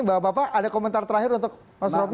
bapak bapak ada komentar terakhir untuk mas romy